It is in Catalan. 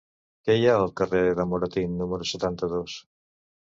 Què hi ha al carrer de Moratín número setanta-dos?